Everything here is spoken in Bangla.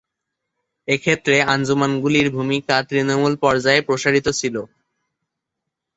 এক্ষেত্রে আঞ্জুমানগুলির ভূমিকা তৃণমূল পর্যায়ে প্রসারিত ছিল।